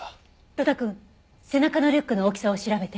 呂太くん背中のリュックの大きさを調べて。